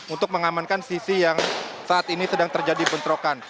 untuk mengamankan sisi yang saat ini sedang terjadi bentrokan